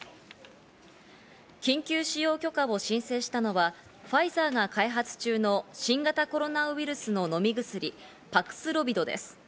緊急使用許可を申請したのは、ファイザーが開発中の新型コロナウイルスの飲み薬パクスロビドです。